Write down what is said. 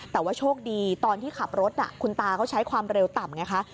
แต่ว่าโชคดีตอนที่ขับรถคุณตาเขาใช้ความเร็วต่ำไงคะ